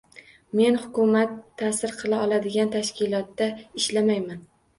Men hukumat ta'sir qila oladigan tashkilotda ishlamayman